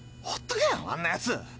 ほっとけよあんなやつ。